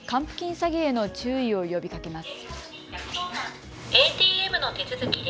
詐欺への注意を呼びかけます。